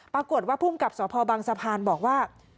ปรากฏว่าผู้กับสภาวบางสะพานบอกว่า